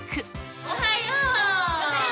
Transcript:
おはよう。